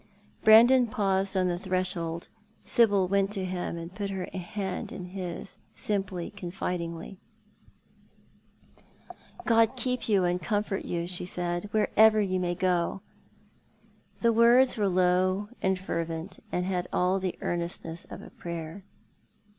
Brandon paused on the threshold. Sibyl went to him and put her hand in his, simply, confidingly. 148 Thou art the Man. "God keep you and comfort you," she said, " wherever you may go." The words were low and fervent, and had all the earnestness of a prayer.